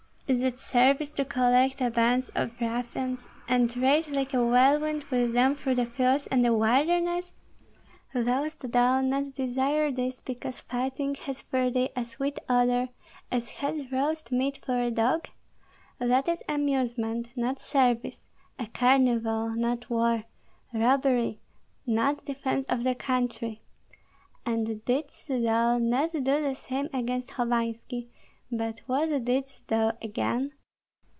Is it service to collect a band of ruffians and rage like a whirlwind with them through the fields and the wilderness? Dost thou not desire this because fighting has for thee a sweet odor, as has roast meat for a dog? That is amusement, not service; a carnival, not war; robbery, not defence of the country! And didst thou not do the same against Hovanski, but what didst thou gain?